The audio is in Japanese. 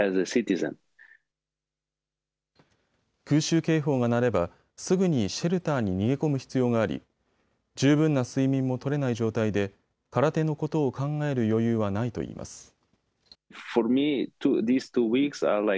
空襲警報が鳴ればすぐにシェルターに逃げ込む必要があり十分な睡眠も取れない状態で空手のことを考える余裕はないといいます。